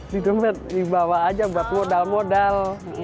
di dompet dibawa aja buat modal modal